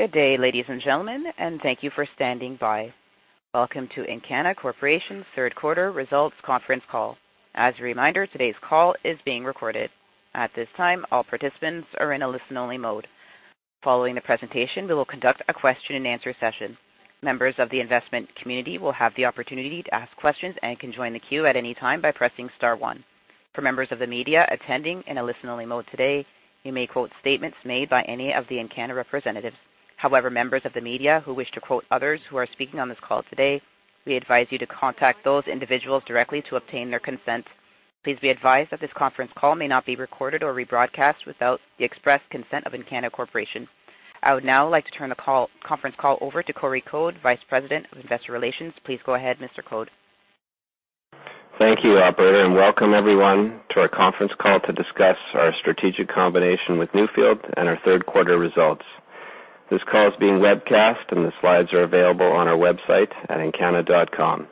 Good day, ladies and gentlemen, and thank you for standing by. Welcome to Encana Corporation's third quarter results conference call. As a reminder, today's call is being recorded. At this time, all participants are in a listen-only mode. Following the presentation, we will conduct a question and answer session. Members of the investment community will have the opportunity to ask questions and can join the queue at any time by pressing star one. For members of the media attending in a listen-only mode today, you may quote statements made by any of the Encana representatives. However, members of the media who wish to quote others who are speaking on this call today, we advise you to contact those individuals directly to obtain their consent. Please be advised that this conference call may not be recorded or rebroadcast without the express consent of Encana Corporation. I would now like to turn the conference call over to Corey Code, Vice President of Investor Relations. Please go ahead, Mr. Code. Thank you, operator, and welcome everyone to our conference call to discuss our strategic combination with Newfield and our third quarter results. This call is being webcast, and the slides are available on our website at encana.com.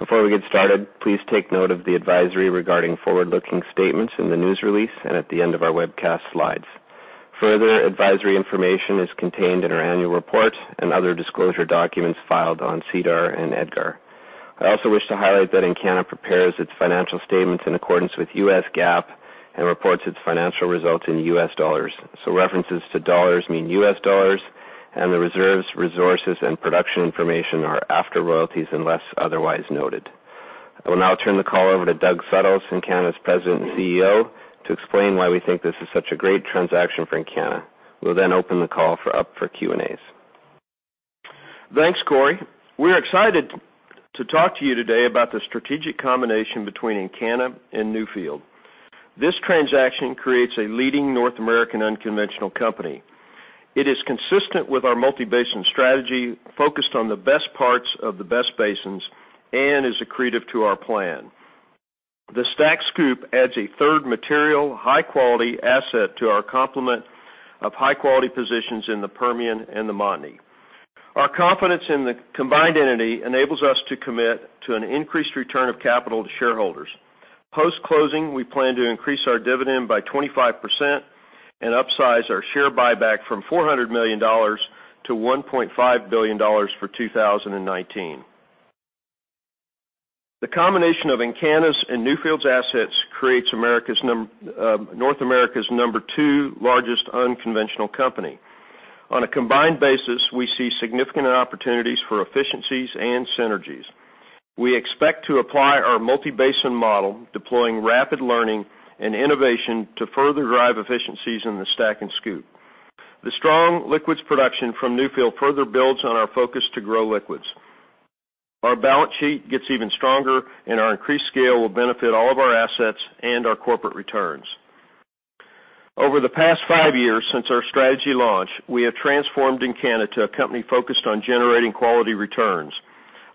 Before we get started, please take note of the advisory regarding forward-looking statements in the news release and at the end of our webcast slides. Further advisory information is contained in our annual report and other disclosure documents filed on SEDAR and EDGAR. I also wish to highlight that Encana prepares its financial statements in accordance with US GAAP and reports its financial results in US dollars. References to dollars mean US dollars and the reserves, resources, and production information are after royalties unless otherwise noted. I will now turn the call over to Doug Suttles, Encana's President and CEO, to explain why we think this is such a great transaction for Encana. We'll then open the call up for Q&As. Thanks, Corey. We're excited to talk to you today about the strategic combination between Encana and Newfield. This transaction creates a leading North American unconventional company. It is consistent with our multi-basin strategy, focused on the best parts of the best basins, and is accretive to our plan. The STACK/SCOOP adds a third material, high-quality asset to our complement of high-quality positions in the Permian and the Montney. Our confidence in the combined entity enables us to commit to an increased return of capital to shareholders. Post-closing, we plan to increase our dividend by 25% and upsize our share buyback from $400 million to $1.5 billion for 2019. The combination of Encana's and Newfield's assets creates North America's number two largest unconventional company. On a combined basis, we see significant opportunities for efficiencies and synergies. We expect to apply our multi-basin model, deploying rapid learning and innovation to further drive efficiencies in the STACK and SCOOP. The strong liquids production from Newfield further builds on our focus to grow liquids. Our balance sheet gets even stronger, and our increased scale will benefit all of our assets and our corporate returns. Over the past five years since our strategy launch, we have transformed Encana to a company focused on generating quality returns.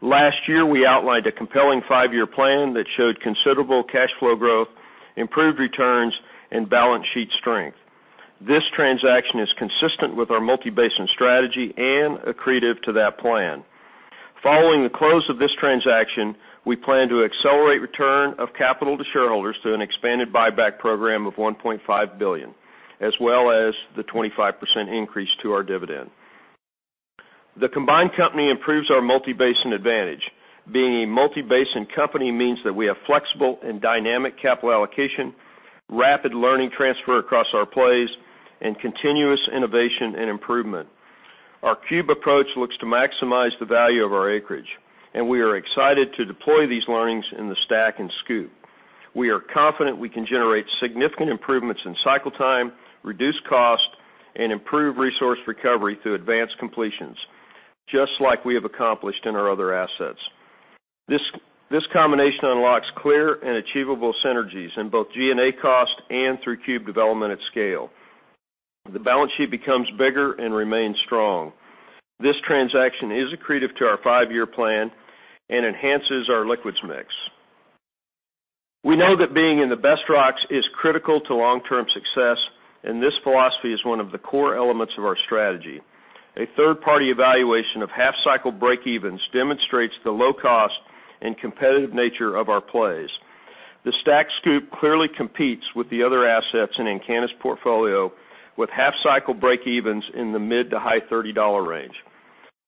Last year, we outlined a compelling five-year plan that showed considerable cash flow growth, improved returns, and balance sheet strength. This transaction is consistent with our multi-basin strategy and accretive to that plan. Following the close of this transaction, we plan to accelerate return of capital to shareholders through an expanded buyback program of $1.5 billion, as well as the 25% increase to our dividend. The combined company improves our multi-basin advantage. Being a multi-basin company means that we have flexible and dynamic capital allocation, rapid learning transfer across our plays, and continuous innovation and improvement. Our cube approach looks to maximize the value of our acreage, and we are excited to deploy these learnings in the STACK and SCOOP. We are confident we can generate significant improvements in cycle time, reduce cost, and improve resource recovery through advanced completions, just like we have accomplished in our other assets. This combination unlocks clear and achievable synergies in both G&A cost and through cube development at scale. The balance sheet becomes bigger and remains strong. This transaction is accretive to our five-year plan and enhances our liquids mix. We know that being in the best rocks is critical to long-term success, and this philosophy is one of the core elements of our strategy. A third-party evaluation of half-cycle breakevens demonstrates the low cost and competitive nature of our plays. The STACK/SCOOP clearly competes with the other assets in Encana's portfolio, with half-cycle breakevens in the mid to high $30 range.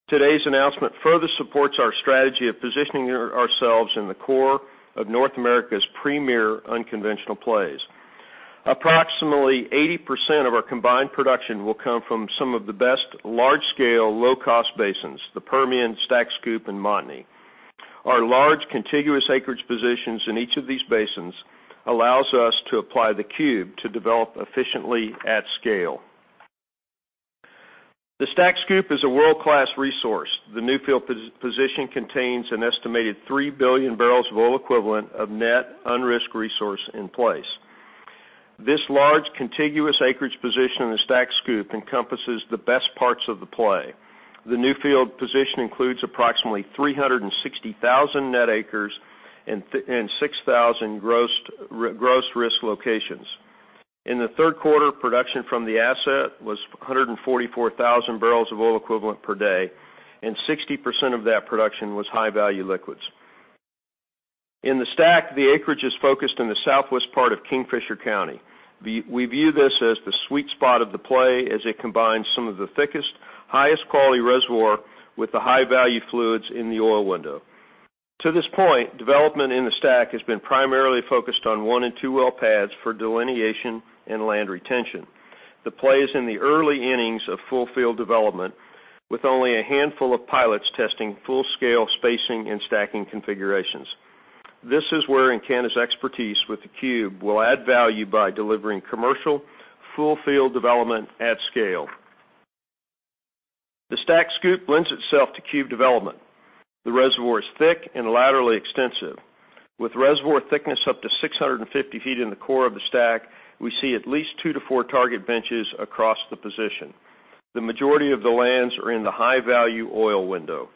Today's announcement further supports our strategy of positioning ourselves in the core of North America's premier unconventional plays. Approximately 80% of our combined production will come from some of the best large-scale, low-cost basins: the Permian, STACK/SCOOP, and Montney. Our large contiguous acreage positions in each of these basins allows us to apply the cube to develop efficiently at scale. The STACK/SCOOP is a world-class resource. The Newfield position contains an estimated 3 billion barrels of oil equivalent of net unrisked resource in place. This large contiguous acreage position in the STACK/SCOOP encompasses the best parts of the play. The Newfield position includes approximately 360,000 net acres and 6,000 gross risked locations. In the third quarter, production from the asset was 144,000 barrels of oil equivalent per day, and 60% of that production was high-value liquids. In the STACK, the acreage is focused on the southwest part of Kingfisher County. We view this as the sweet spot of the play, as it combines some of the thickest, highest quality reservoir with the high-value fluids in the oil window. To this point, development in the STACK has been primarily focused on one and two well pads for delineation and land retention. The play is in the early innings of full field development, with only a handful of pilots testing full-scale spacing and stacking configurations. This is where Ovintiv's expertise with the cube will add value by delivering commercial full field development at scale. The STACK/SCOOP lends itself to cube development. The reservoir is thick and laterally extensive. With reservoir thickness up to 650 feet in the core of the STACK, we see at least two to four target benches across the position. The majority of the lands are in the high-value oil window.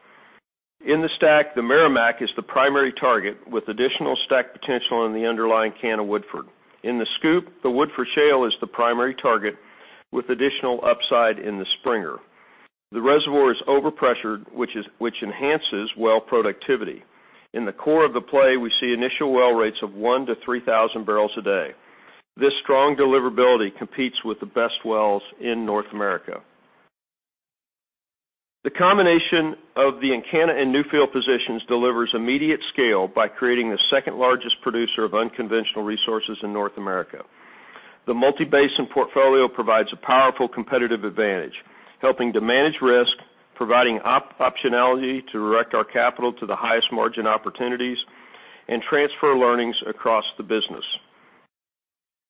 In the STACK, the Meramec is the primary target, with additional STACK potential in the underlying Cana Woodford. In the SCOOP, the Woodford Shale is the primary target, with additional upside in the Springer. The reservoir is overpressured, which enhances well productivity. In the core of the play, we see initial well rates of 1,000 to 3,000 barrels a day. This strong deliverability competes with the best wells in North America. The combination of the Ovintiv and Newfield positions delivers immediate scale by creating the second-largest producer of unconventional resources in North America. The multi-basin portfolio provides a powerful competitive advantage, helping to manage risk, providing optionality to direct our capital to the highest margin opportunities, and transfer learnings across the business.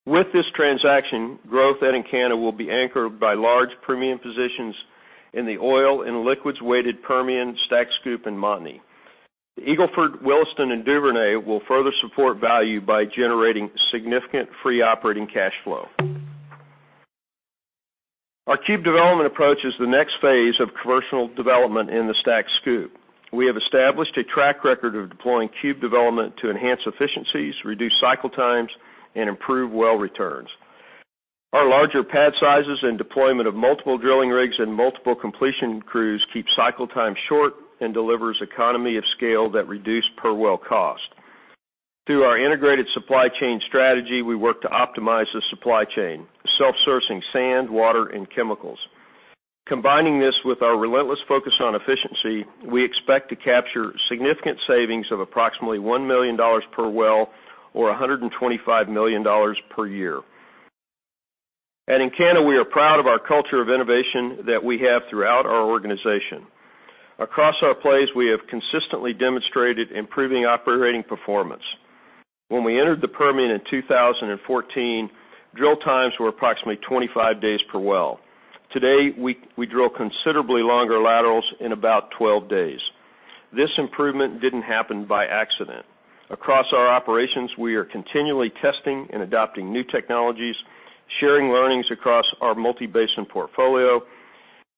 With this transaction, growth at Ovintiv will be anchored by large premium positions in the oil and liquids-weighted Permian, STACK/SCOOP, and Montney. The Eagle Ford, Williston, and Duvernay will further support value by generating significant free operating cash flow. Our cube development approach is the next phase of commercial development in the STACK/SCOOP. We have established a track record of deploying cube development to enhance efficiencies, reduce cycle times, and improve well returns. Our larger pad sizes and deployment of multiple drilling rigs and multiple completion crews keep cycle time short and delivers economy of scale that reduce per well cost. Through our integrated supply chain strategy, we work to optimize the supply chain, self-sourcing sand, water, and chemicals. Combining this with our relentless focus on efficiency, we expect to capture significant savings of approximately $1 million per well or $125 million per year. At Ovintiv, we are proud of our culture of innovation that we have throughout our organization. Across our plays, we have consistently demonstrated improving operating performance. When we entered the Permian in 2014, drill times were approximately 25 days per well. Today, we drill considerably longer laterals in about 12 days. This improvement didn't happen by accident. Across our operations, we are continually testing and adopting new technologies, sharing learnings across our multi-basin portfolio,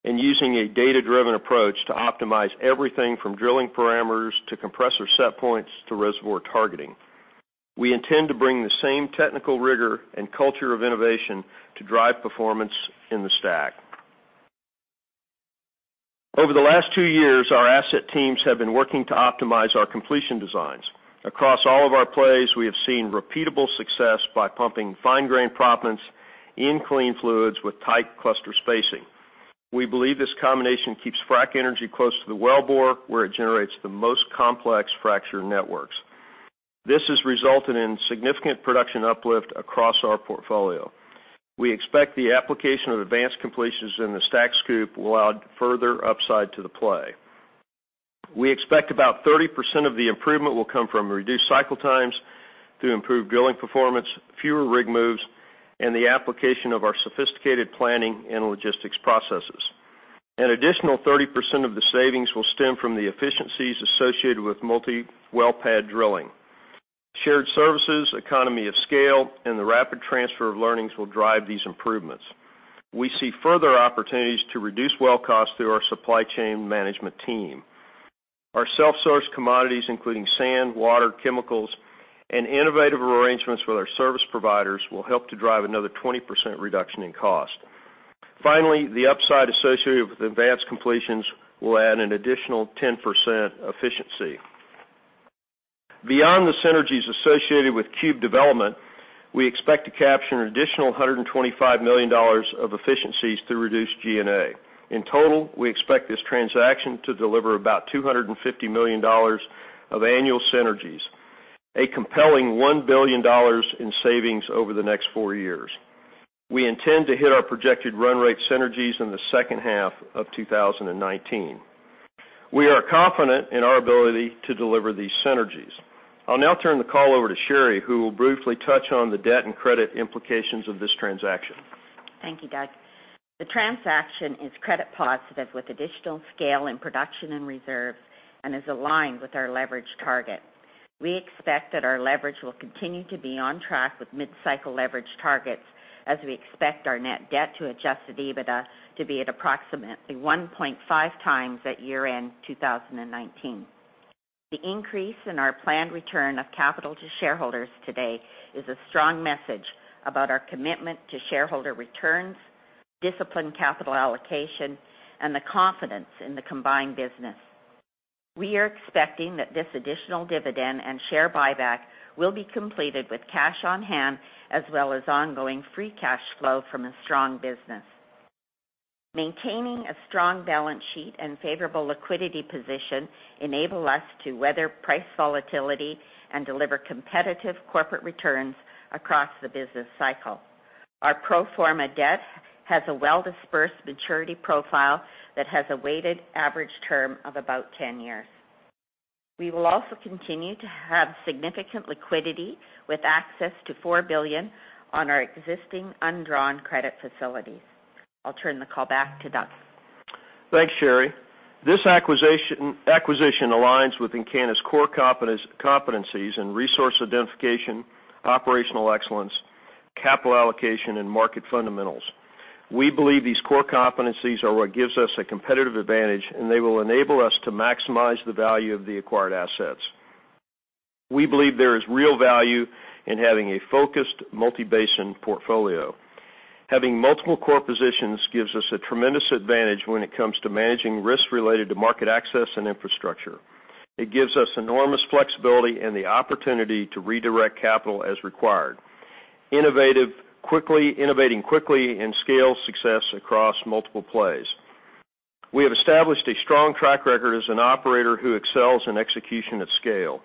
and using a data-driven approach to optimize everything from drilling parameters to compressor set points to reservoir targeting. We intend to bring the same technical rigor and culture of innovation to drive performance in the STACK. Over the last two years, our asset teams have been working to optimize our completion designs. Across all of our plays, we have seen repeatable success by pumping fine-grain proppants in clean fluids with tight cluster spacing. We believe this combination keeps frac energy close to the wellbore, where it generates the most complex fracture networks. This has resulted in significant production uplift across our portfolio. We expect the application of advanced completions in the STACK/SCOOP will add further upside to the play. We expect about 30% of the improvement will come from reduced cycle times through improved drilling performance, fewer rig moves, and the application of our sophisticated planning and logistics processes. An additional 30% of the savings will stem from the efficiencies associated with multi-well pad drilling. Shared services, economy of scale, and the rapid transfer of learnings will drive these improvements. We see further opportunities to reduce well cost through our supply chain management team. Our self-sourced commodities, including sand, water, chemicals, and innovative arrangements with our service providers, will help to drive another 20% reduction in cost. Finally, the upside associated with advanced completions will add an additional 10% efficiency. Beyond the synergies associated with cube development, we expect to capture an additional $125 million of efficiencies through reduced G&A. In total, we expect this transaction to deliver about $250 million of annual synergies, a compelling $1 billion in savings over the next four years. We intend to hit our projected run rate synergies in the second half of 2019. We are confident in our ability to deliver these synergies. I'll now turn the call over to Sherri, who will briefly touch on the debt and credit implications of this transaction. Thank you, Doug. The transaction is credit positive with additional scale in production and reserves and is aligned with our leverage target. We expect that our leverage will continue to be on track with mid-cycle leverage targets as we expect our net debt to adjusted EBITDA to be at approximately 1.5 times at year-end 2019. The increase in our planned return of capital to shareholders today is a strong message about our commitment to shareholder returns, disciplined capital allocation, and the confidence in the combined business. We are expecting that this additional dividend and share buyback will be completed with cash on hand, as well as ongoing free cash flow from a strong business. Maintaining a strong balance sheet and favorable liquidity position enable us to weather price volatility and deliver competitive corporate returns across the business cycle. Our pro forma debt has a well-dispersed maturity profile that has a weighted average term of about 10 years. We will also continue to have significant liquidity with access to $4 billion on our existing undrawn credit facilities. I'll turn the call back to Doug. Thanks, Sherri. This acquisition aligns with Encana's core competencies in resource identification, operational excellence, capital allocation, and market fundamentals. We believe these core competencies are what gives us a competitive advantage, and they will enable us to maximize the value of the acquired assets. We believe there is real value in having a focused multi-basin portfolio. Having multiple core positions gives us a tremendous advantage when it comes to managing risks related to market access and infrastructure. It gives us enormous flexibility and the opportunity to redirect capital as required, innovating quickly, and scale success across multiple plays. We have established a strong track record as an operator who excels in execution at scale.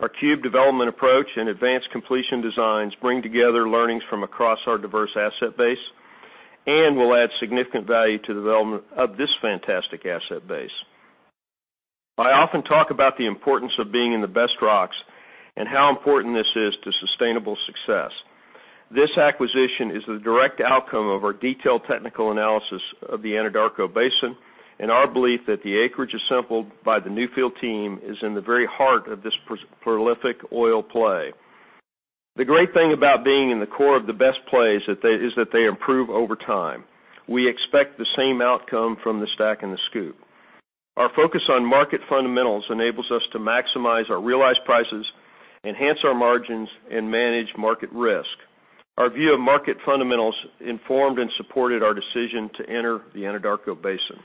Our cube development approach and advanced completion designs bring together learnings from across our diverse asset base and will add significant value to the development of this fantastic asset base. I often talk about the importance of being in the best rocks and how important this is to sustainable success. This acquisition is the direct outcome of our detailed technical analysis of the Anadarko Basin, and our belief that the acreage assembled by the Newfield team is in the very heart of this prolific oil play. The great thing about being in the core of the best plays is that they improve over time. We expect the same outcome from the STACK and the SCOOP. Our focus on market fundamentals enables us to maximize our realized prices, enhance our margins, and manage market risk. Our view of market fundamentals informed and supported our decision to enter the Anadarko Basin.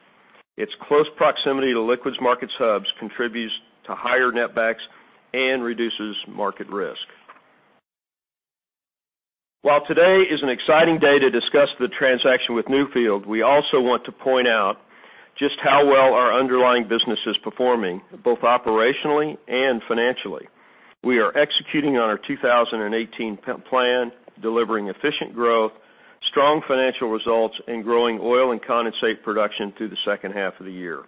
Its close proximity to liquids markets hubs contributes to higher netbacks and reduces market risk. While today is an exciting day to discuss the transaction with Newfield, we also want to point out just how well our underlying business is performing, both operationally and financially. We are executing on our 2018 plan, delivering efficient growth, strong financial results, and growing oil and condensate production through the second half of the year.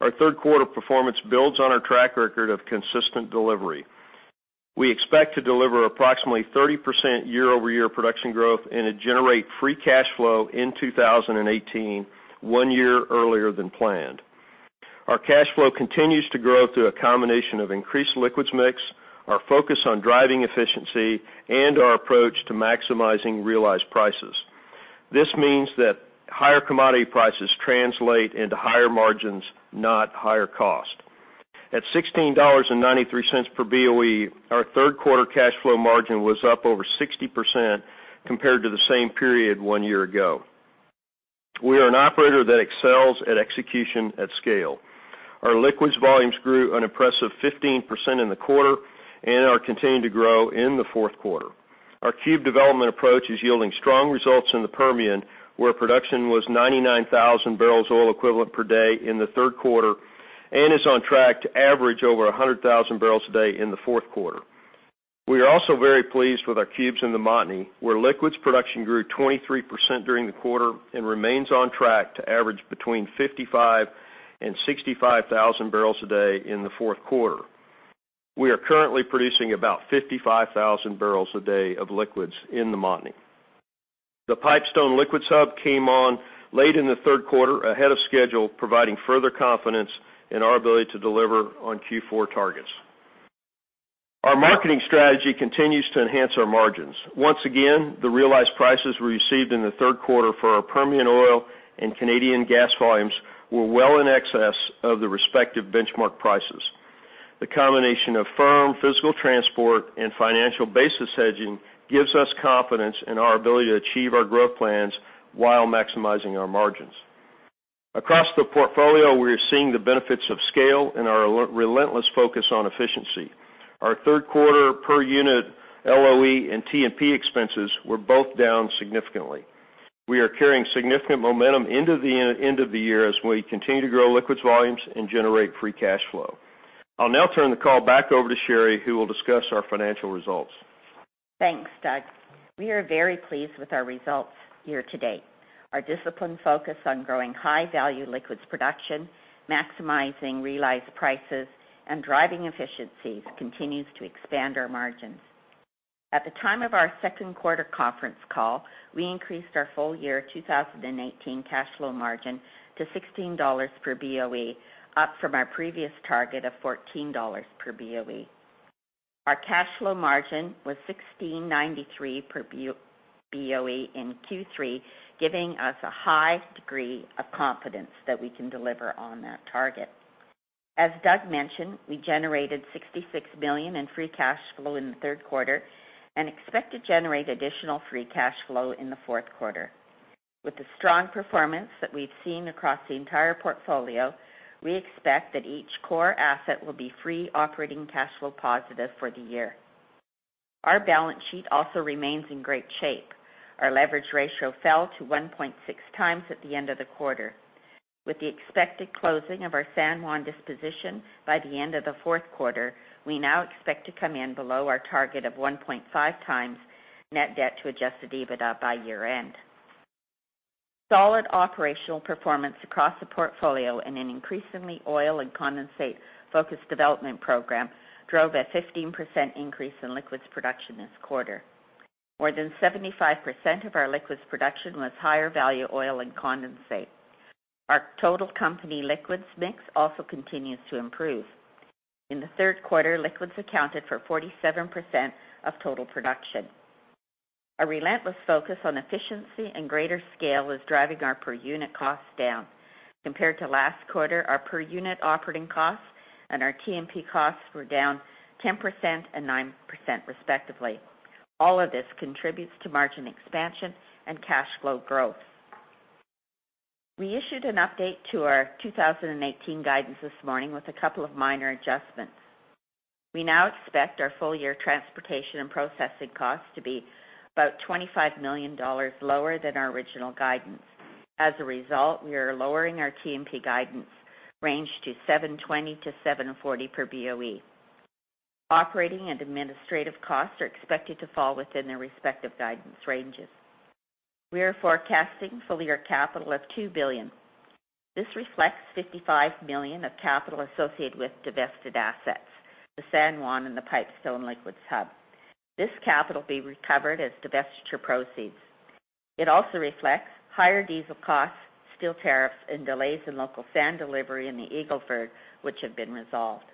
Our third quarter performance builds on our track record of consistent delivery. We expect to deliver approximately 30% year-over-year production growth and generate free cash flow in 2018, one year earlier than planned. Our cash flow continues to grow through a combination of increased liquids mix, our focus on driving efficiency, and our approach to maximizing realized prices. This means that higher commodity prices translate into higher margins, not higher cost. At $16.93 per BOE, our third quarter cash flow margin was up over 60% compared to the same period one year ago. We are an operator that excels at execution at scale. Our liquids volumes grew an impressive 15% in the quarter and are continuing to grow in the fourth quarter. Our cube development approach is yielding strong results in the Permian, where production was 99,000 barrels oil equivalent per day in the third quarter and is on track to average over 100,000 barrels a day in the fourth quarter. We are also very pleased with our cubes in the Montney, where liquids production grew 23% during the quarter and remains on track to average between 55,000 and 65,000 barrels a day in the fourth quarter. We are currently producing about 55,000 barrels a day of liquids in the Montney. The Pipestone liquids hub came on late in the third quarter ahead of schedule, providing further confidence in our ability to deliver on Q4 targets. Our marketing strategy continues to enhance our margins. Once again, the realized prices we received in the third quarter for our Permian oil and Canadian gas volumes were well in excess of the respective benchmark prices. The combination of firm physical transport and financial basis hedging gives us confidence in our ability to achieve our growth plans while maximizing our margins. Across the portfolio, we are seeing the benefits of scale and our relentless focus on efficiency. Our third quarter per unit LOE and T&P expenses were both down significantly. We are carrying significant momentum into the end of the year as we continue to grow liquids volumes and generate free cash flow. I'll now turn the call back over to Sherri, who will discuss our financial results. Thanks, Doug. We are very pleased with our results year to date. Our disciplined focus on growing high-value liquids production, maximizing realized prices, and driving efficiencies continues to expand our margins. At the time of our second quarter conference call, we increased our full year 2018 cash flow margin to $16 per BOE, up from our previous target of $14 per BOE. Our cash flow margin was $16.93 per BOE in Q3, giving us a high degree of confidence that we can deliver on that target. As Doug mentioned, we generated $66 million in free cash flow in the third quarter and expect to generate additional free cash flow in the fourth quarter. With the strong performance that we've seen across the entire portfolio, we expect that each core asset will be free operating cash flow positive for the year. Our balance sheet also remains in great shape. Our leverage ratio fell to 1.6 times at the end of the quarter. With the expected closing of our San Juan disposition by the end of the fourth quarter, we now expect to come in below our target of 1.5 times net debt to adjusted EBITDA by year-end. Solid operational performance across the portfolio and an increasingly oil and condensate-focused development program drove a 15% increase in liquids production this quarter. More than 75% of our liquids production was higher value oil and condensate. Our total company liquids mix also continues to improve. In the third quarter, liquids accounted for 47% of total production. A relentless focus on efficiency and greater scale is driving our per unit costs down. Compared to last quarter, our per unit operating costs and our T&P costs were down 10% and 9%, respectively. All of this contributes to margin expansion and cash flow growth. We issued an update to our 2018 guidance this morning with a couple of minor adjustments. We now expect our full-year transportation and processing costs to be about $25 million lower than our original guidance. As a result, we are lowering our T&P guidance range to $7.20 to $7.40 per BOE. Operating and administrative costs are expected to fall within their respective guidance ranges. We are forecasting full-year capital of $2 billion. This reflects $55 million of capital associated with divested assets, the San Juan, and the Pipestone liquids hub. This capital will be recovered as divestiture proceeds. It also reflects higher diesel costs, steel tariffs, and delays in local sand delivery in the Eagle Ford, which have been resolved.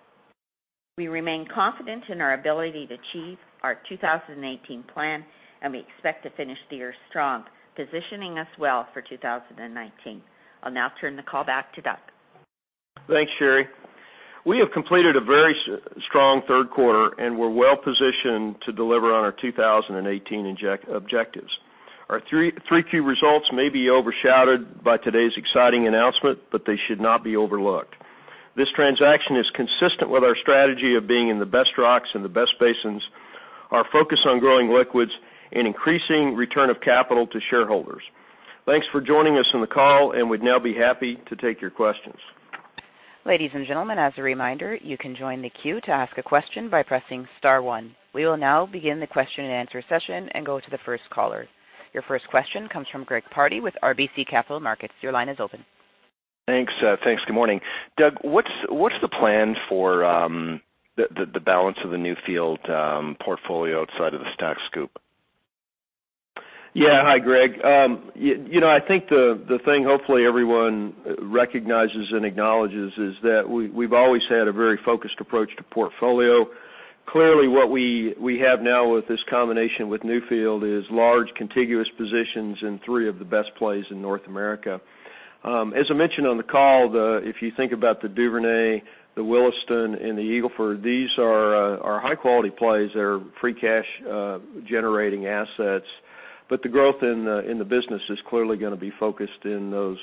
We remain confident in our ability to achieve our 2018 plan, and we expect to finish the year strong, positioning us well for 2019. I'll now turn the call back to Doug. Thanks, Sherri. We have completed a very strong third quarter, and we're well-positioned to deliver on our 2018 objectives. Our 3Q results may be overshadowed by today's exciting announcement, but they should not be overlooked. This transaction is consistent with our strategy of being in the best rocks and the best basins, our focus on growing liquids, and increasing return of capital to shareholders. Thanks for joining us on the call, and we'd now be happy to take your questions. Ladies and gentlemen, as a reminder, you can join the queue to ask a question by pressing *1. We will now begin the question and answer session and go to the first caller. Your first question comes from Greg Pardy with RBC Capital Markets. Your line is open. Thanks. Good morning. Doug, what's the plan for the balance of the Newfield portfolio outside of the STACK/SCOOP? Yeah. Hi, Greg. I think the thing hopefully everyone recognizes and acknowledges is that we’ve always had a very focused approach to portfolio. Clearly, what we have now with this combination with Newfield is large contiguous positions in three of the best plays in North America. As I mentioned on the call, if you think about the Duvernay, the Williston, and the Eagle Ford, these are high-quality plays that are free cash generating assets. The growth in the business is clearly going to be focused in those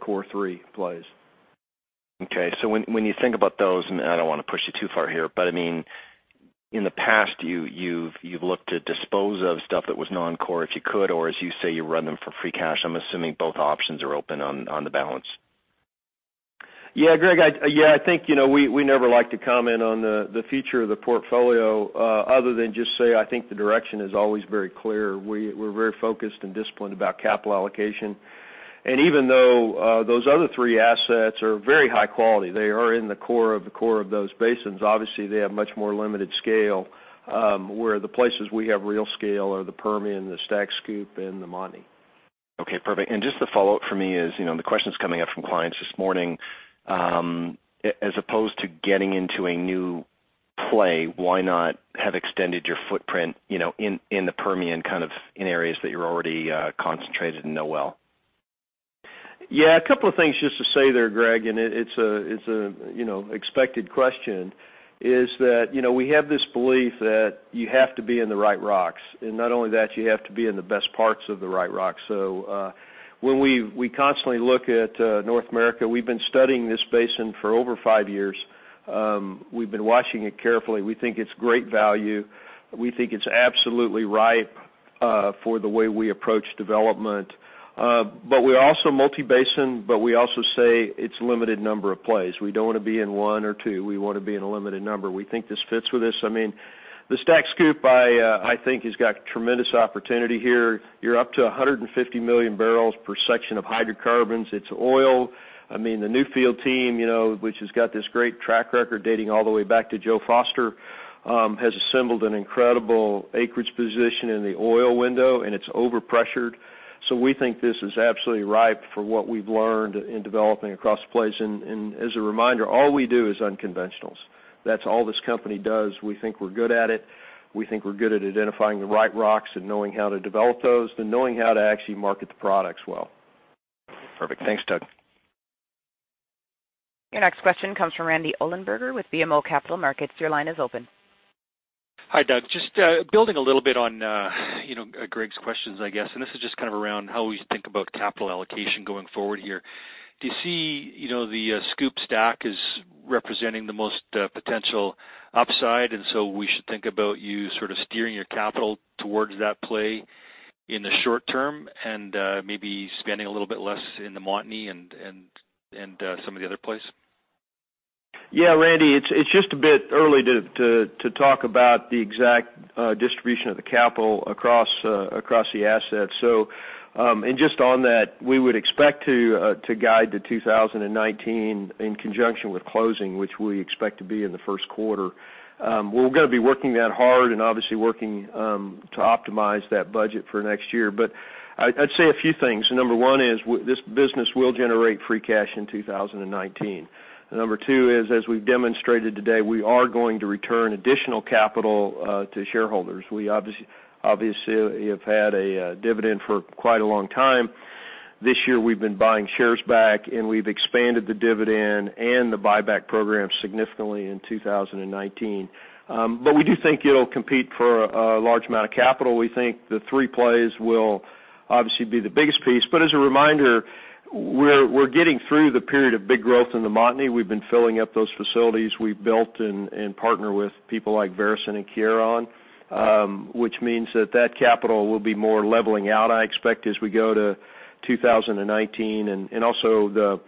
core three plays. Okay. When you think about those, I don’t want to push you too far here, in the past, you’ve looked to dispose of stuff that was non-core if you could, or as you say, you run them for free cash. I’m assuming both options are open on the balance. Yeah, Greg. I think we never like to comment on the future of the portfolio, other than just say, I think the direction is always very clear. We’re very focused and disciplined about capital allocation. Even though those other three assets are very high quality, they are in the core of the core of those basins. Obviously, they have much more limited scale, where the places we have real scale are the Permian, the STACK/SCOOP, and the Montney. Okay, perfect. Just the follow-up for me is, the questions coming up from clients this morning. As opposed to getting into a new play, why not have extended your footprint in the Permian, in areas that you’re already concentrated and know well? Yeah. A couple of things just to say there, Greg, it's an expected question, is that we have this belief that you have to be in the right rocks, not only that, you have to be in the best parts of the right rock. When we constantly look at North America, we've been studying this basin for over five years. We've been watching it carefully. We think it's great value. We think it's absolutely ripe for the way we approach development. We're also multi-basin, but we also say it's a limited number of plays. We don't want to be in one or two. We want to be in a limited number. We think this fits with this. The STACK/SCOOP I think has got tremendous opportunity here. You're up to 150 million barrels per section of hydrocarbons. It's oil. The Newfield team, which has got this great track record dating all the way back to Joe Foster, has assembled an incredible acreage position in the oil window, it's overpressured. We think this is absolutely ripe for what we've learned in developing across the plays. As a reminder, all we do is unconventionals. That's all this company does. We think we're good at it. We think we're good at identifying the right rocks and knowing how to develop those, knowing how to actually market the products well. Perfect. Thanks, Doug. Your next question comes from Randy Ollenberger with BMO Capital Markets. Your line is open. Hi, Doug. Just building a little bit on Greg Pardy's questions, I guess. This is just around how we think about capital allocation going forward here. Do you see the SCOOP STACK as representing the most potential upside, so we should think about you steering your capital towards that play in the short term and maybe spending a little bit less in the Montney and some of the other plays? Yeah, Randy Ollenberger, it's just a bit early to talk about the exact distribution of the capital across the assets. Just on that, we would expect to guide to 2019 in conjunction with closing, which we expect to be in the first quarter. We're going to be working that hard and obviously working to optimize that budget for next year. I'd say a few things. Number one is this business will generate free cash in 2019. Number two is, as we've demonstrated today, we are going to return additional capital to shareholders. We obviously have had a dividend for quite a long time. This year, we've been buying shares back, and we've expanded the dividend and the buyback program significantly in 2019. We do think it'll compete for a large amount of capital. We think the three plays will obviously be the biggest piece. As a reminder, we're getting through the period of big growth in the Montney. We've been filling up those facilities we've built and partner with people like Veresen and Keyera, which means that capital will be more leveling out, I expect, as we go to 2019. Also,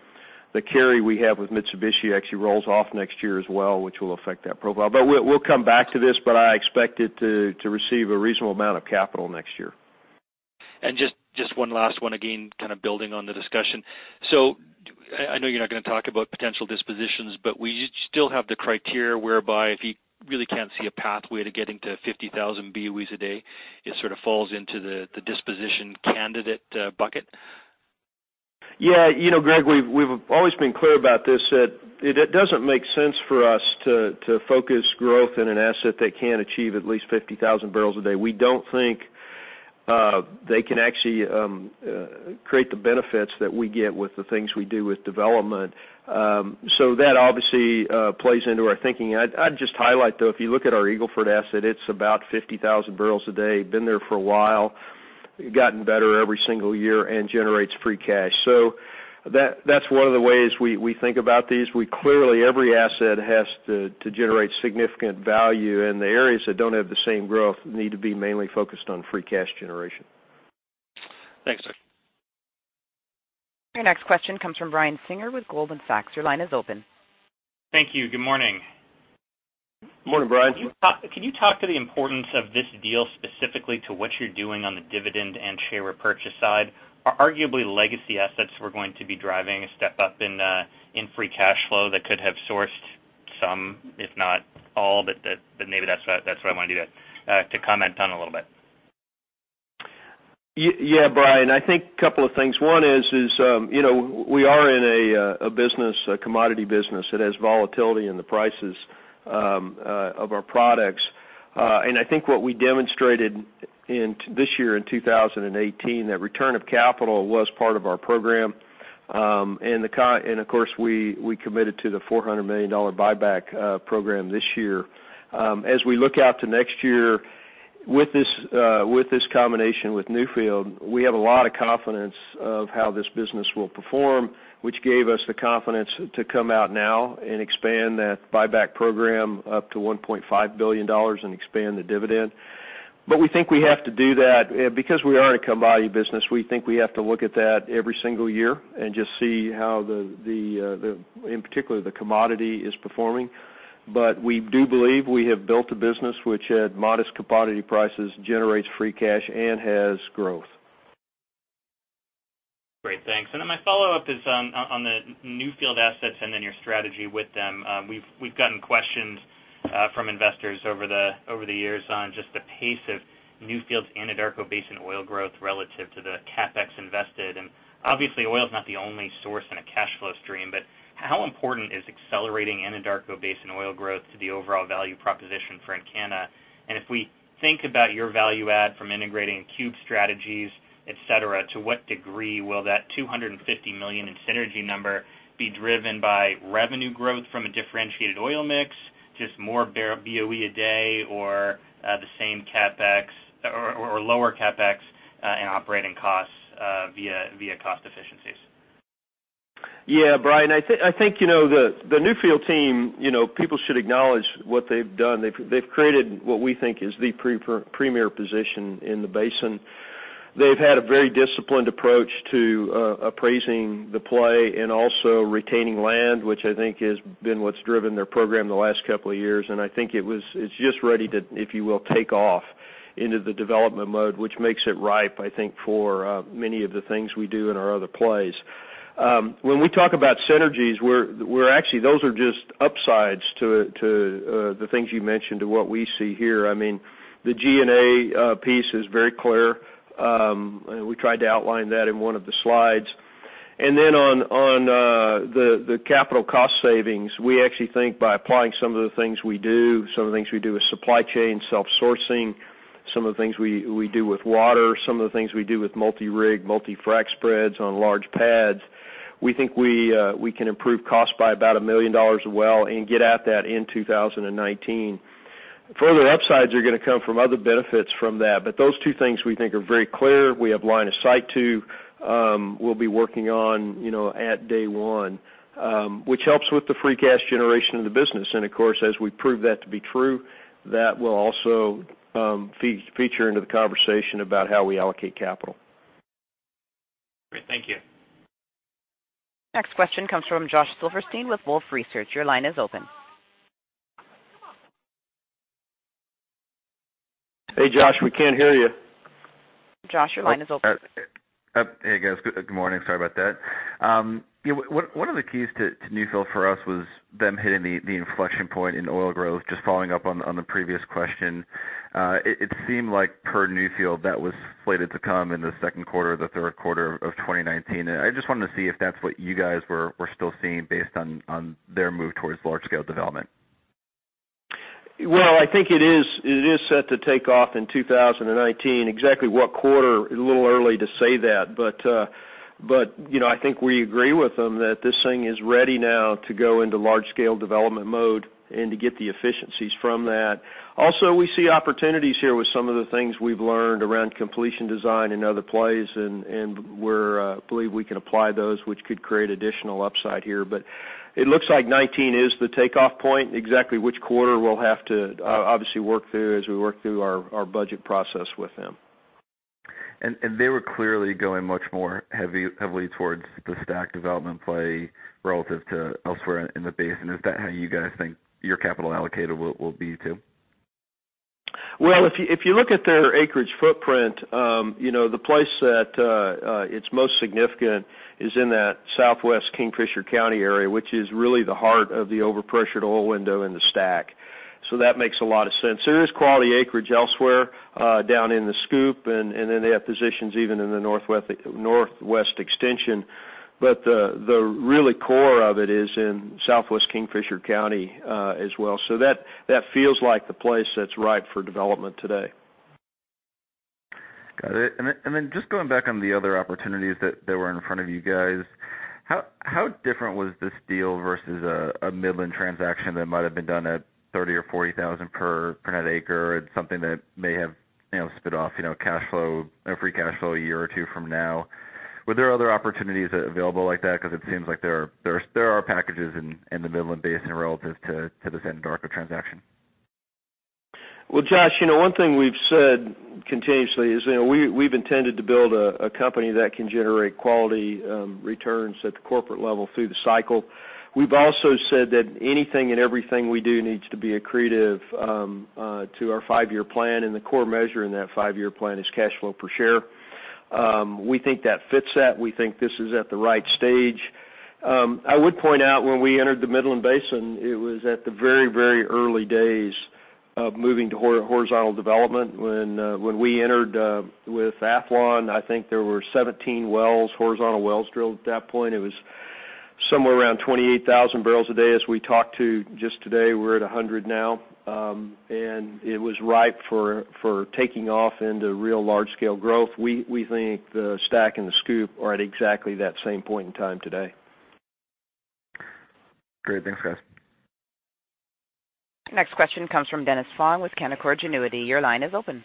the carry we have with Mitsubishi actually rolls off next year as well, which will affect that profile. We'll come back to this, but I expect it to receive a reasonable amount of capital next year. Just one last one, again, building on the discussion. I know you're not going to talk about potential dispositions, we still have the criteria whereby if you really can't see a pathway to getting to 50,000 BOEs a day, it sort of falls into the disposition candidate bucket? Yeah. Greg, we've always been clear about this, that it doesn't make sense for us to focus growth in an asset that can't achieve at least 50,000 barrels a day. We don't think they can actually create the benefits that we get with the things we do with development. That obviously plays into our thinking. I'd just highlight, though, if you look at our Eagle Ford asset, it's about 50,000 barrels a day, been there for a while, gotten better every single year, and generates free cash. That's one of the ways we think about these. Clearly, every asset has to generate significant value, and the areas that don't have the same growth need to be mainly focused on free cash generation. Thanks, Doug. Your next question comes from Brian Singer with Goldman Sachs. Your line is open. Thank you. Good morning. Morning, Brian. Can you talk to the importance of this deal specifically to what you're doing on the dividend and share repurchase side? Are arguably legacy assets we're going to be driving a step up in free cash flow that could have sourced some, if not all, but maybe that's what I wanted you to comment on a little bit. Yeah, Brian, I think a couple of things. One is we are in a commodity business that has volatility in the prices of our products. I think what we demonstrated this year in 2018, that return of capital was part of our program. Of course, we committed to the $400 million buyback program this year. As we look out to next year with this combination with Newfield, we have a lot of confidence of how this business will perform, which gave us the confidence to come out now and expand that buyback program up to $1.5 billion and expand the dividend. We think we have to do that because we are a commodity business. We think we have to look at that every single year and just see how, in particular, the commodity is performing. We do believe we have built a business which at modest commodity prices, generates free cash and has growth. Great, thanks. My follow-up is on the Newfield assets and your strategy with them. We've gotten questions from investors over the years on just the pace of Newfield's Anadarko Basin oil growth relative to the CapEx invested. Obviously, oil's not the only source in a cash flow stream, but how important is accelerating Anadarko Basin oil growth to the overall value proposition for Encana? If we think about your value add from integrating cube strategies, et cetera, to what degree will that $250 million in synergy number be driven by revenue growth from a differentiated oil mix, just more BOE a day, or the same CapEx or lower CapEx and operating costs via cost efficiencies? Yeah, Brian, I think the Newfield team, people should acknowledge what they've done. They've created what we think is the premier position in the basin. They've had a very disciplined approach to appraising the play and also retaining land, which I think has been what's driven their program the last couple of years. I think it's just ready to, if you will, take off into the development mode, which makes it ripe, I think, for many of the things we do in our other plays. When we talk about synergies, those are just upsides to the things you mentioned to what we see here. I mean, the G&A piece is very clear. We tried to outline that in one of the slides. On the capital cost savings, we actually think by applying some of the things we do, some of the things we do with supply chain self-sourcing, some of the things we do with water, some of the things we do with multi-rig, multi-frac spreads on large pads, we think we can improve cost by about $1 million a well and get at that in 2019. Further upsides are going to come from other benefits from that. Those two things we think are very clear, we have line of sight to, we'll be working on at day one, which helps with the free cash generation of the business. Of course, as we prove that to be true, that will also feature into the conversation about how we allocate capital. Great. Thank you. Next question comes from Josh Silverstein with Wolfe Research. Your line is open. Hey, Josh, we can't hear you. Josh, your line is open. Hey, guys. Good morning. Sorry about that. One of the keys to Newfield for us was them hitting the inflection point in oil growth. Just following up on the previous question. It seemed like per Newfield, that was slated to come in the second quarter, the third quarter of 2019. I just wanted to see if that's what you guys were still seeing based on their move towards large scale development. Well, I think it is set to take off in 2019. Exactly what quarter, a little early to say that, I think we agree with them that this thing is ready now to go into large scale development mode and to get the efficiencies from that. Also, we see opportunities here with some of the things we have learned around completion design in other plays, we believe we can apply those, which could create additional upside here. It looks like 2019 is the takeoff point. Exactly which quarter we will have to obviously work through as we work through our budget process with them. They were clearly going much more heavily towards the STACK development play relative to elsewhere in the basin. Is that how you guys think your capital allocator will be too? Well, if you look at their acreage footprint, the place that it is most significant is in that Southwest Kingfisher County area, which is really the heart of the overpressured oil window in the STACK. That makes a lot of sense. There is quality acreage elsewhere down in the SCOOP, then they have positions even in the northwest extension. The really core of it is in Southwest Kingfisher County as well. That feels like the place that is ripe for development today. Got it. Then just going back on the other opportunities that were in front of you guys, how different was this deal versus a Midland transaction that might have been done at $30,000 or $40,000 per net acre and something that may have spit off free cash flow a year or two from now? Were there other opportunities available like that? Because it seems like there are packages in the Midland Basin relative to this Anadarko transaction. Well, Josh, one thing we've said continuously is we've intended to build a company that can generate quality returns at the corporate level through the cycle. We've also said that anything and everything we do needs to be accretive to our five-year plan, and the core measure in that five-year plan is cash flow per share. We think that fits that. We think this is at the right stage. I would point out when we entered the Midland Basin, it was at the very early days of moving to horizontal development. When we entered with Athlon, I think there were 17 wells, horizontal wells drilled at that point. It was somewhere around 28,000 barrels a day. As we talked to just today, we're at 100 now. It was ripe for taking off into real large scale growth. We think the STACK and the SCOOP are at exactly that same point in time today. Great. Thanks, guys. Next question comes from Dennis Fong with Canaccord Genuity. Your line is open.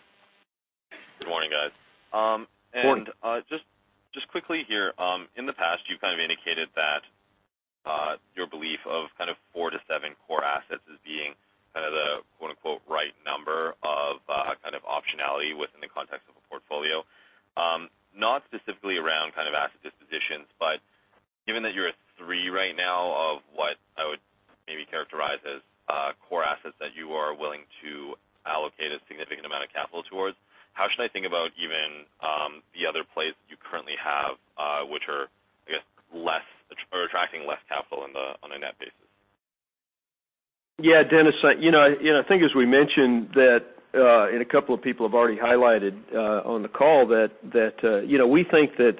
Good morning, guys. Morning. Just quickly here, in the past, you've indicated that your belief of four to seven core assets as being the quote-unquote, "right number" of optionality within the context of a portfolio. Not specifically around asset dispositions, but given that you're at three right now of what I would maybe characterize as core assets that you are willing to allocate a significant amount of capital towards, how should I think about even the other plays that you currently have, which are, I guess, attracting less capital on a net basis? Yeah, Dennis, I think as we mentioned that, a couple of people have already highlighted on the call that we think that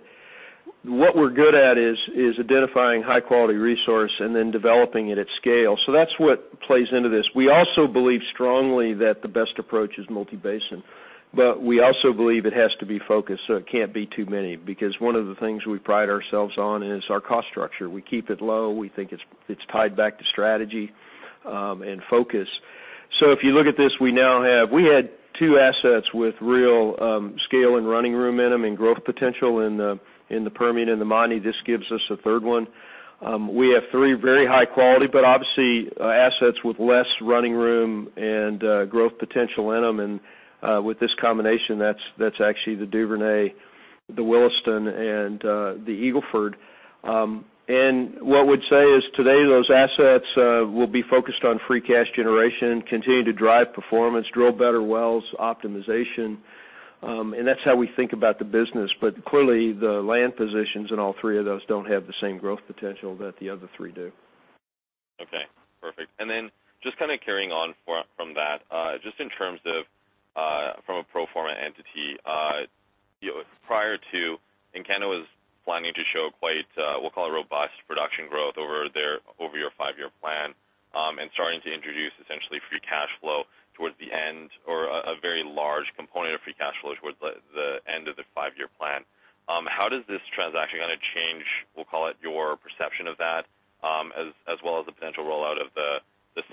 what we're good at is identifying high-quality resource and then developing it at scale. That's what plays into this. We also believe strongly that the best approach is multi-basin, we also believe it has to be focused, it can't be too many. One of the things we pride ourselves on is our cost structure. We keep it low. We think it's tied back to strategy and focus. If you look at this, we had two assets with real scale and running room in them and growth potential in the Permian and the Montney. This gives us a third one. We have three very high quality, but obviously assets with less running room and growth potential in them. With this combination, that's actually the Duvernay, the Williston, and the Eagle Ford. What we'd say is today those assets will be focused on free cash generation and continue to drive performance, drill better wells, optimization. That's how we think about the business. Clearly, the land positions in all three of those don't have the same growth potential that the other three do. Okay, perfect. Just carrying on from that, just in terms of from a pro forma entity, prior to Encana was planning to show quite, we'll call it, robust production growth over your five-year plan, starting to introduce essentially free cash flow towards the end, or a very large component of free cash flow towards the end of the five-year plan. How does this transaction going to change, we'll call it, your perception of that, as well as the potential rollout of the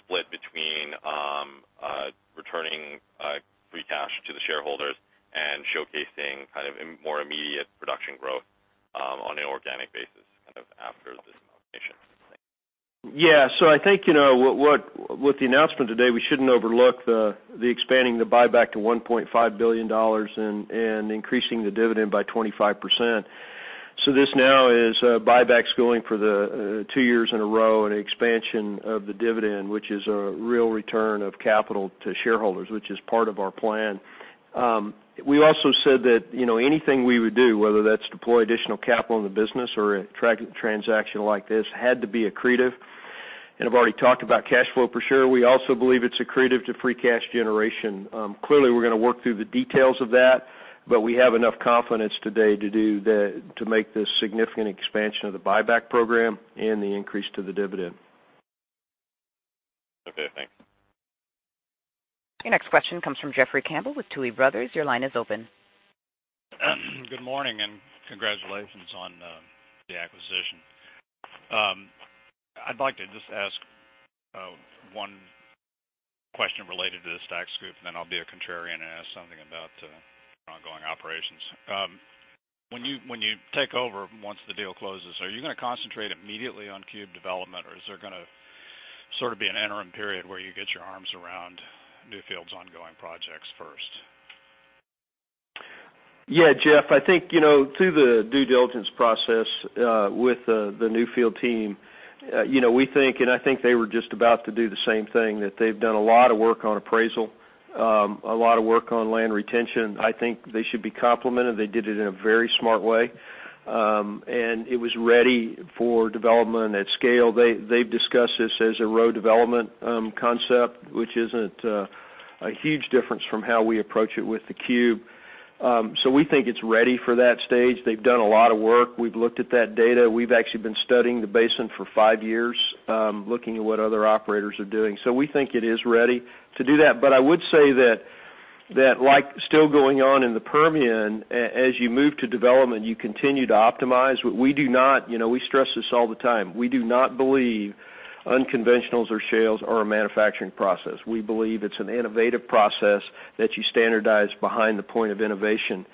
split between returning free cash to the shareholders and showcasing more immediate production growth on an organic basis after this combination? Thanks. Yeah. I think, with the announcement today, we shouldn't overlook the expanding the buyback to $1.5 billion and increasing the dividend by 25%. This now is buybacks going for the two years in a row and expansion of the dividend, which is a real return of capital to shareholders, which is part of our plan. We also said that anything we would do, whether that's deploy additional capital in the business or a transaction like this, had to be accretive. I've already talked about cash flow per share. We also believe it's accretive to free cash generation. Clearly, we're going to work through the details of that, but we have enough confidence today to make this significant expansion of the buyback program and the increase to the dividend. Okay, thanks. Your next question comes from Jeffrey Campbell with Tuohy Brothers. Your line is open. Good morning, and congratulations on the acquisition. I'd like to just ask one question related to the STACK SCOOP, then I'll be a contrarian and ask something about your ongoing operations. When you take over, once the deal closes, are you going to concentrate immediately on cube development, or is there going to sort of be an interim period where you get your arms around Newfield's ongoing projects first? Yeah. Jeff, I think, through the due diligence process with the Newfield team, we think, and I think they were just about to do the same thing, that they've done a lot of work on appraisal, a lot of work on land retention. I think they should be complimented. They did it in a very smart way. It was ready for development at scale. They've discussed this as a row development concept, which isn't a huge difference from how we approach it with the cube. We think it's ready for that stage. They've done a lot of work. We've looked at that data. We've actually been studying the basin for five years, looking at what other operators are doing. We think it is ready to do that. I would say that, like still going on in the Permian, as you move to development, you continue to optimize. We stress this all the time. We do not believe unconventionals or shales are a manufacturing process. We believe it's an innovative process that you standardize behind the point of innovation.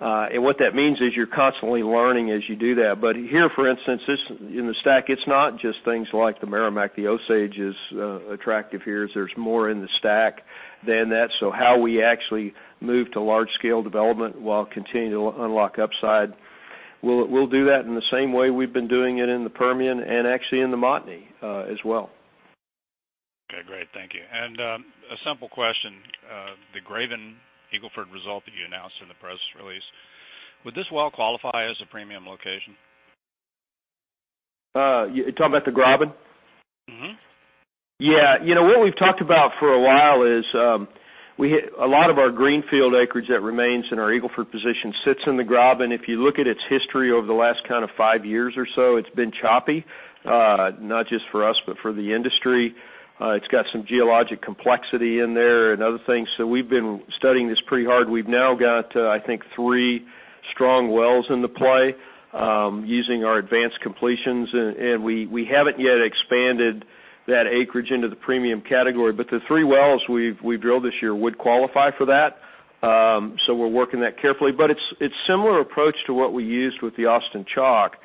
What that means is you're constantly learning as you do that. Here, for instance, in the STACK, it's not just things like the Meramec, the Osage is attractive here, is there's more in the STACK than that. How we actually move to large-scale development while continuing to unlock upside, we'll do that in the same way we've been doing it in the Permian and actually in the Montney as well. Okay, great. Thank you. A simple question. The Graben Eagle Ford result that you announced in the press release, would this well qualify as a premium location? You're talking about the Graben? Yeah. What we've talked about for a while is a lot of our greenfield acreage that remains in our Eagle Ford position sits in the Graben. If you look at its history over the last five years or so, it's been choppy, not just for us, but for the industry. It's got some geologic complexity in there and other things. We've been studying this pretty hard. We've now got I think three strong wells in the play using our advanced completions, and we haven't yet expanded that acreage into the premium category. The three wells we've drilled this year would qualify for that. We're working that carefully. It's similar approach to what we used with the Austin Chalk,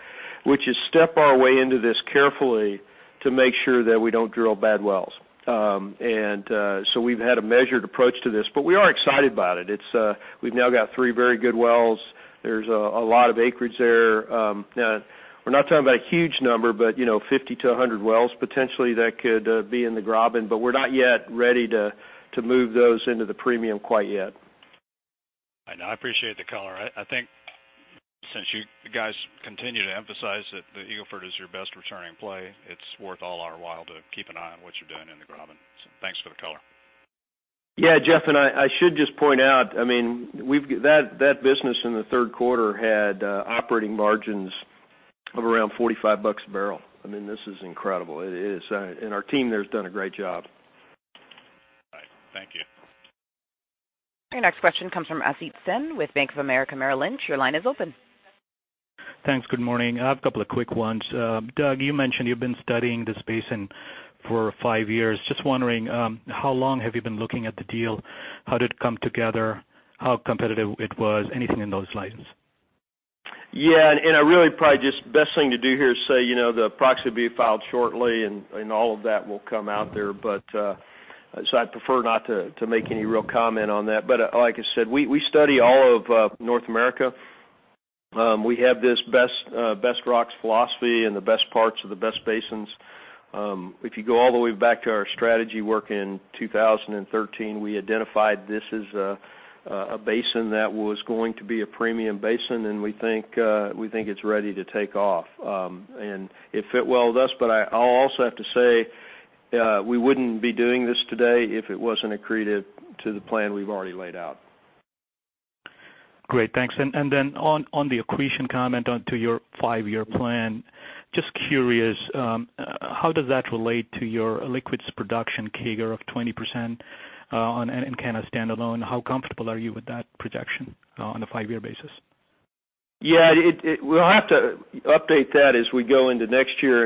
which is step our way into this carefully to make sure that we don't drill bad wells. We've had a measured approach to this, but we are excited about it. We've now got three very good wells. There's a lot of acreage there. We're not talking about a huge number, but 50 to 100 wells potentially that could be in the Graben, but we're not yet ready to move those into the premium quite yet. I know. I appreciate the color. I think since you guys continue to emphasize that the Eagle Ford is your best returning play, it's worth all our while to keep an eye on what you're doing in the Graben. Thanks for the color. Jeff, I should just point out, that business in the third quarter had operating margins of around $45 a barrel. This is incredible. It is. Our team there has done a great job. All right. Thank you. Your next question comes from Asit Sen with Bank of America Merrill Lynch. Your line is open. Thanks. Good morning. I have a couple of quick ones. Doug, you mentioned you've been studying this basin for five years. Just wondering, how long have you been looking at the deal? How did it come together? How competitive it was? Anything in those lines. Yeah. Really probably just best thing to do here is say, the proxy will be filed shortly, and all of that will come out there. I'd prefer not to make any real comment on that. Like I said, we study all of North America. We have this best rocks philosophy and the best parts of the best basins. If you go all the way back to our strategy work in 2013, we identified this as a basin that was going to be a premium basin, and we think it's ready to take off. It fit well with us, but I'll also have to say, we wouldn't be doing this today if it wasn't accretive to the plan we've already laid out. Great, thanks. On the accretion comment onto your five-year plan, just curious, how does that relate to your liquids production CAGR of 20%? Kind of standalone, how comfortable are you with that projection on a five-year basis? Yeah. We'll have to update that as we go into next year.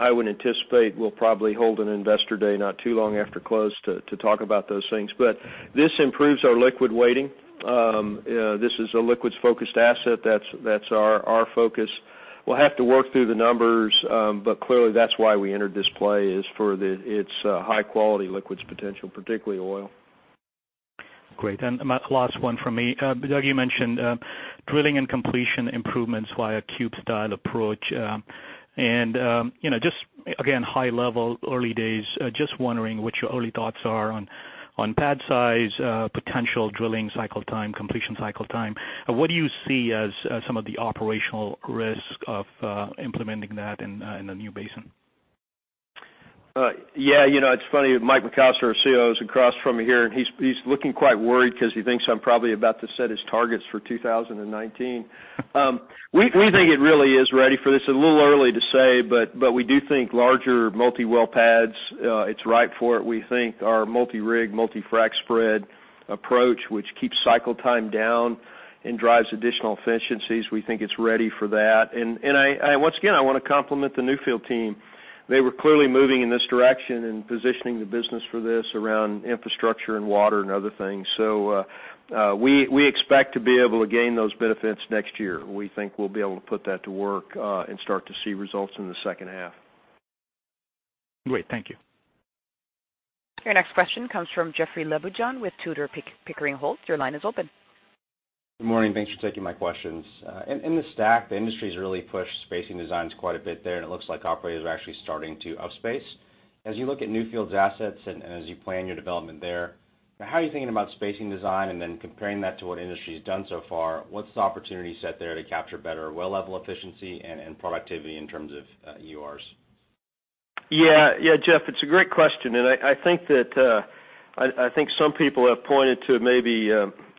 I would anticipate we'll probably hold an investor day not too long after close to talk about those things. This improves our liquid weighting. This is a liquids-focused asset. That's our focus. We'll have to work through the numbers. Clearly that's why we entered this play, is for its high-quality liquids potential, particularly oil. Great. Last one from me. Doug, you mentioned drilling and completion improvements via cube-style approach. Just, again, high level, early days, just wondering what your early thoughts are on pad size, potential drilling cycle time, completion cycle time. What do you see as some of the operational risks of implementing that in a new basin? Yeah. It's funny, Mike McAllister, our COO, is across from me here, and he's looking quite worried because he thinks I'm probably about to set his targets for 2019. We think it really is ready for this. It's a little early to say, but we do think larger multi-well pads, it's ripe for it. We think our multi-rig, multi-frac spread approach, which keeps cycle time down and drives additional efficiencies, we think it's ready for that. Once again, I want to compliment the Newfield team. They were clearly moving in this direction and positioning the business for this around infrastructure and water and other things. We expect to be able to gain those benefits next year. We think we'll be able to put that to work, and start to see results in the second half. Great. Thank you. Your next question comes from Jeoffrey Lambujon with Tudor, Pickering Holt. Your line is open. Good morning. Thanks for taking my questions. In the STACK, the industry's really pushed spacing designs quite a bit there, and it looks like operators are actually starting to up space. As you look at Newfield's assets and as you plan your development there, how are you thinking about spacing design? Then comparing that to what industry's done so far, what's the opportunity set there to capture better well level efficiency and productivity in terms of EURs? Jeff, it's a great question, I think some people have pointed to maybe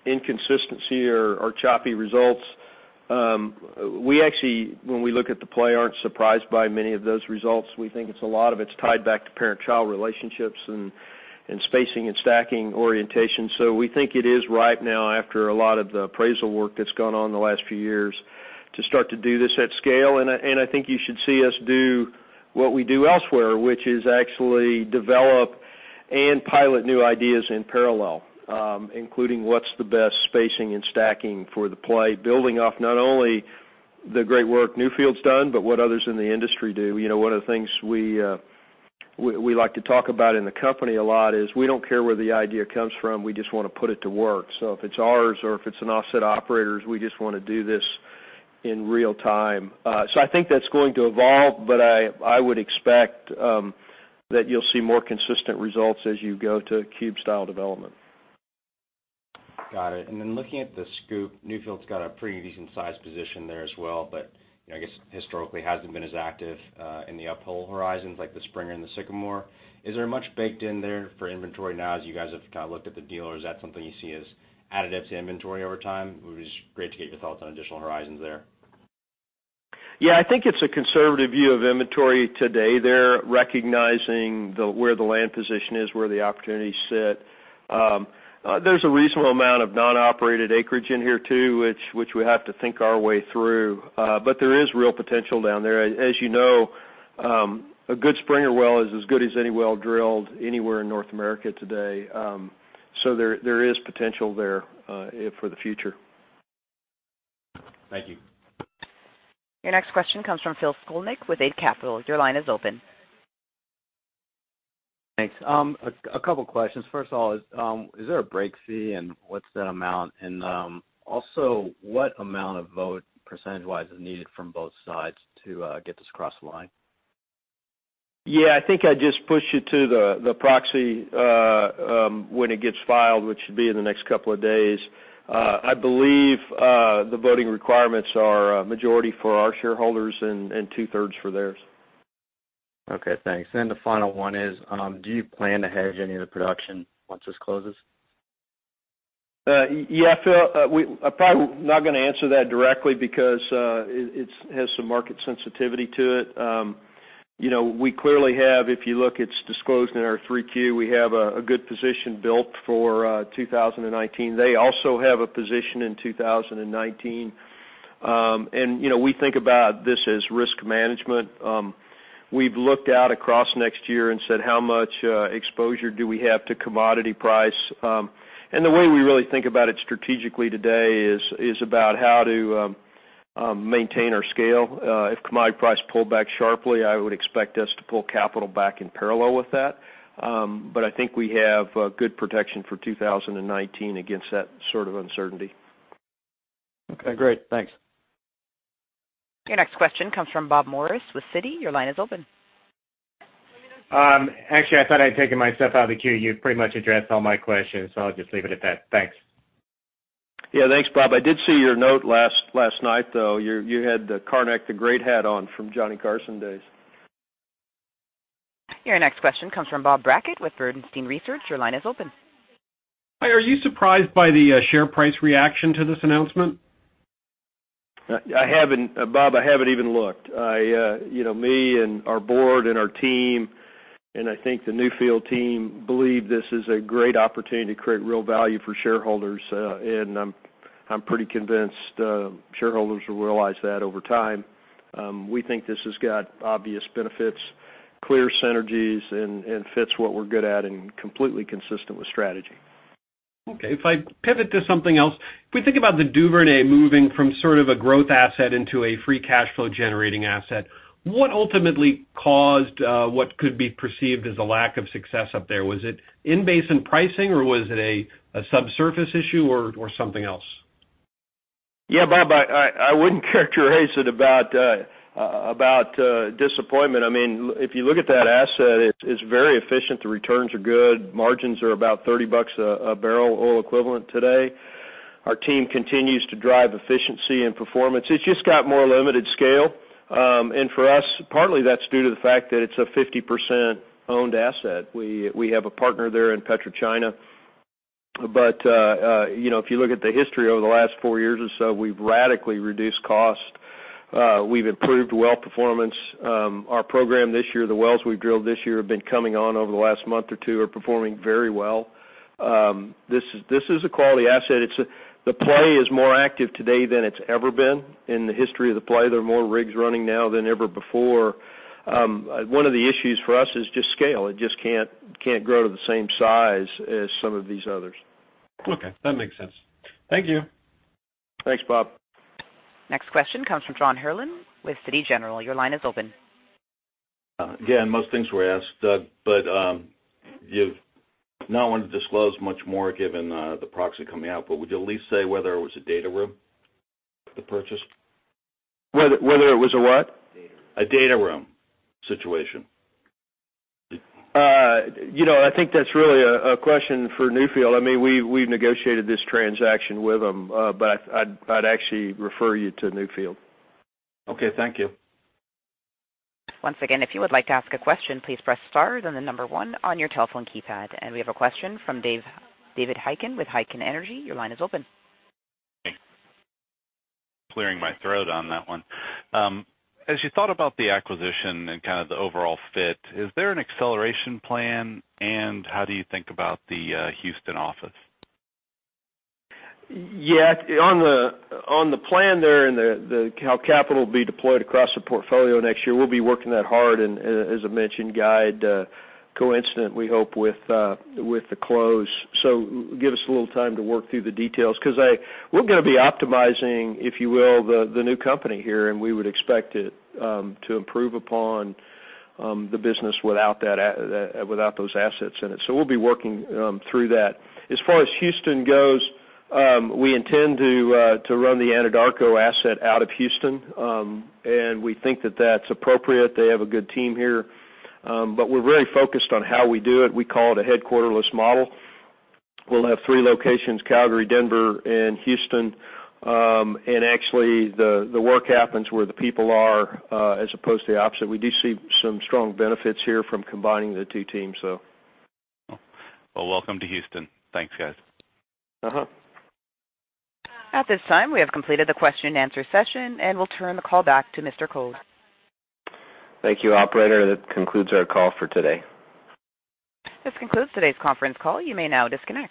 inconsistency or choppy results. We actually, when we look at the play, aren't surprised by many of those results. We think a lot of it's tied back to parent-child relationships and spacing and stacking orientation. We think it is ripe now after a lot of the appraisal work that's gone on in the last few years to start to do this at scale. I think you should see us do what we do elsewhere, which is actually develop and pilot new ideas in parallel, including what's the best spacing and stacking for the play. Building off not only the great work Newfield's done, but what others in the industry do. One of the things we like to talk about in the company a lot is we don't care where the idea comes from, we just want to put it to work. If it's ours or if it's an offset operator's, we just want to do this in real time. I think that's going to evolve, but I would expect that you'll see more consistent results as you go to cube development. Got it. Looking at the SCOOP, Newfield's got a pretty decent size position there as well. I guess historically hasn't been as active, in the uphole horizons like the Springer and the Sycamore. Is there much baked in there for inventory now as you guys have kind of looked at the deal, or is that something you see as additive to inventory over time? It would be just great to get your thoughts on additional horizons there. I think it's a conservative view of inventory today. They're recognizing where the land position is, where the opportunities sit. There's a reasonable amount of non-operated acreage in here too which we have to think our way through. There is real potential down there. As you know, a good Springer well is as good as any well drilled anywhere in North America today. There is potential there, for the future. Thank you. Your next question comes from Arun Jayaram with Eight Capital. Your line is open. Thanks. A couple questions. First of all, is there a break fee, and what's that amount? Also, what amount of vote percentage-wise is needed from both sides to get this across the line? Yeah, I think I'd just push you to the proxy, when it gets filed, which should be in the next couple of days. I believe the voting requirements are a majority for our shareholders and 2/3 for theirs. Okay, thanks. The final one is, do you plan to hedge any of the production once this closes? Yeah, Phil, I'm probably not going to answer that directly because it has some market sensitivity to it. We clearly have, if you look, it's disclosed in our 3-Q, we have a good position built for 2019. They also have a position in 2019. We think about this as risk management. We've looked out across next year and said how much exposure do we have to commodity price? The way we really think about it strategically today is about how to maintain our scale. If commodity price pulled back sharply, I would expect us to pull capital back in parallel with that. I think we have good protection for 2019 against that sort of uncertainty. Okay, great. Thanks. Your next question comes from Bob Morris with Citi. Your line is open. Actually, I thought I'd taken myself out of the queue. You've pretty much addressed all my questions, so I'll just leave it at that. Thanks. Yeah, thanks, Bob. I did see your note last night, though. You had the Carnac the Magnificent hat on from Johnny Carson days. Your next question comes from Bob Brackett with Bernstein Research. Your line is open. Hi. Are you surprised by the share price reaction to this announcement? Bob, I haven't even looked. Me and our board and our team, and I think the Newfield team, believe this is a great opportunity to create real value for shareholders. I'm pretty convinced shareholders will realize that over time. We think this has got obvious benefits, clear synergies, and fits what we're good at and completely consistent with strategy. Okay. If I pivot to something else, if we think about the Duvernay moving from sort of a growth asset into a free cash flow generating asset, what ultimately caused what could be perceived as a lack of success up there? Was it in-basin pricing, or was it a subsurface issue or something else? Yeah, Bob, I wouldn't characterize it about disappointment. If you look at that asset, it's very efficient. The returns are good. Margins are about $30 a barrel oil equivalent today. Our team continues to drive efficiency and performance. For us, partly that's due to the fact that it's a 50% owned asset. We have a partner there in PetroChina. If you look at the history over the last four years or so, we've radically reduced cost. We've improved well performance. Our program this year, the wells we've drilled this year have been coming on over the last month or two, are performing very well. This is a quality asset. The play is more active today than it's ever been in the history of the play. There are more rigs running now than ever before. One of the issues for us is just scale. It just can't grow to the same size as some of these others. Okay, that makes sense. Thank you. Thanks, Bob. Next question comes from Ron Herlin with Citigroup. Your line is open. Again, most things were asked, but you've not wanted to disclose much more given the proxy coming out, but would you at least say whether it was a data room, the purchase? Whether it was a what? A data room situation. I think that's really a question for Newfield. We negotiated this transaction with them, but I'd actually refer you to Newfield. Okay. Thank you. Once again, if you would like to ask a question, please press star, then the number one on your telephone keypad. We have a question from David Heikkinen with Haiken Energy. Your line is open. Thanks. Clearing my throat on that one. As you thought about the acquisition and kind of the overall fit, is there an acceleration plan, and how do you think about the Houston office? Yeah. On the plan there and how capital will be deployed across the portfolio next year, we'll be working that hard and, as I mentioned, guide coincident we hope with the close. Give us a little time to work through the details because we're going to be optimizing, if you will, the new company here, and we would expect it to improve upon the business without those assets in it. We'll be working through that. As far as Houston goes, we intend to run the Anadarko asset out of Houston, and we think that that's appropriate. They have a good team here. We're very focused on how we do it. We call it a headquarterless model. We'll have three locations, Calgary, Denver, and Houston. Actually, the work happens where the people are, as opposed to the opposite. We do see some strong benefits here from combining the two teams. Well, welcome to Houston. Thanks, guys. At this time, we have completed the question and answer session, and we'll turn the call back to Mr. Code. Thank you, operator. That concludes our call for today. This concludes today's conference call. You may now disconnect.